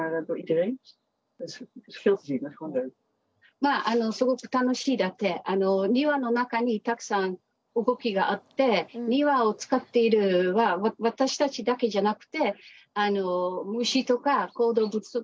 まあすごく楽しいだって庭の中にたくさん動きがあって庭を使っているのは私たちだけじゃなくてあの虫とか動物とかも使っていますね。